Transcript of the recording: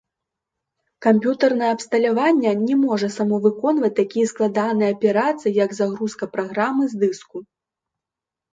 Камп'ютарнае абсталявання не можа само выконваць такія складаныя аперацыі, як загрузка праграмы з дыску.